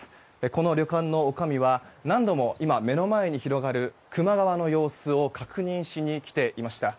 この旅館のおかみは何度も目の前に広がる球磨川の様子を確認しに来ていました。